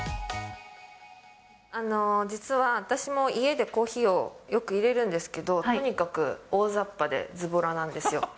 実は私も家でコーヒーをよくいれるんですけど、とにかく大ざっぱでずぼらなんですよ。